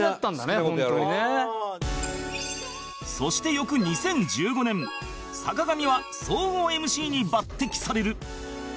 そして翌２０１５年坂上は総合 ＭＣ に抜擢される